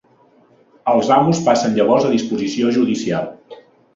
Els amos passen llavors a disposició judicial.